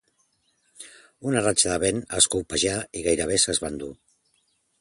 Una ratxa de vent els colpejà i gairebé se'ls va endur.